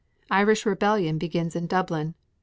Irish rebellion begins in Dublin.